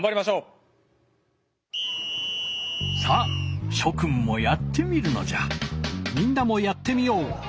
さあしょくんもやってみるのじゃ！